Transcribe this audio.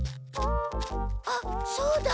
あっそうだ。